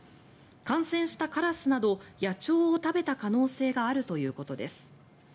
感染したカラスなど野鳥を食べた可能性があるということです。